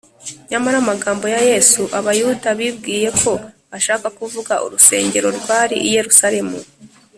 nyamara amagambo ya yesu, abayuda bibwiye ko ashaka kuvuga urusengero rwari i yerusalemu